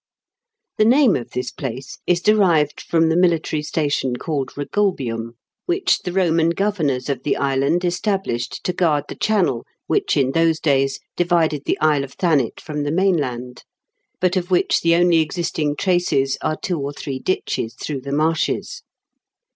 The name of this place is derived from the military station called Eegulbium, which the 298 IN KENT WITH 0EABLE8 DICKENS. Roman governors of the island established to guard the channel which in those days divided the Isle of Thanet from the mainland, but of which the only existing traces are two or three ditches through the marshes.